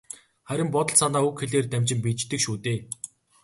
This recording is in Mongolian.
Харин бодол санаа үг хэлээр дамжин биеждэг шүү дээ.